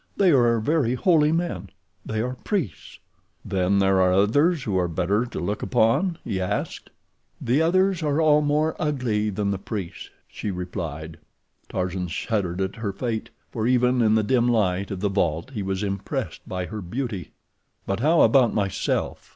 "They are very holy men—they are priests." "Then there are others who are better to look upon?" he asked. "The others are all more ugly than the priests," she replied. Tarzan shuddered at her fate, for even in the dim light of the vault he was impressed by her beauty. "But how about myself?"